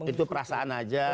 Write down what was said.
itu perasaan aja